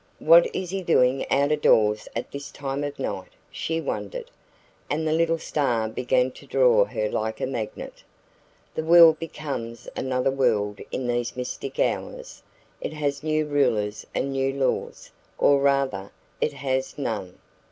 "What is he doing out of doors at this time of night?" she wondered; and the little star began to draw her like a magnet. The world becomes another world in these mystic hours; it has new rulers and new laws or rather, it has none.